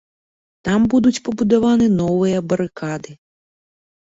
Там будуць пабудаваныя новыя барыкады.